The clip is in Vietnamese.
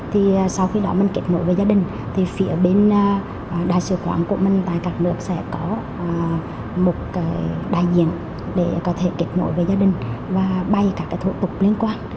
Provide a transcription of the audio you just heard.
thì sau khi đó mình kết nối với gia đình thì phía bên đại sứ quán của mình tại các nước sẽ có một đại diện để có thể kết nối với gia đình và bay các cái thủ tục liên quan